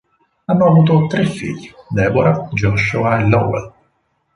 Hanno avuto tre figli: Deborah, Joshua e Lowell.